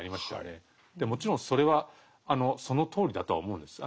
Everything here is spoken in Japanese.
でもちろんそれはそのとおりだとは思うんです。